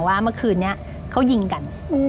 ว่าเมื่อคืนนี้เขายิงกัน